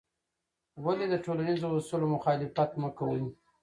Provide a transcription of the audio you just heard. ولې د ټولنیزو اصولو مخالفت مه کوې؟